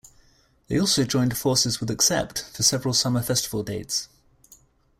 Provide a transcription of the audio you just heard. They also joined forces with Accept for several summer festival dates.